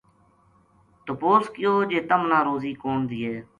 تپوس کیو جی تمنا روزی کون دیے